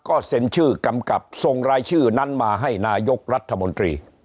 ก็เซ็นชื่อกำกับส่งรายชื่อนั้นมาให้นายกรัฐมนตรี